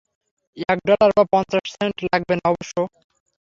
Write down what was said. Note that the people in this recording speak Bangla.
এক ডলার বা পঞ্চাশ সেন্ট লাগবে না অবশ্য।